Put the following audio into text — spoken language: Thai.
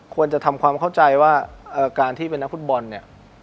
ควรจะทำความเข้าใจว่าการที่เป็นนักฟุตบอลเนี่ย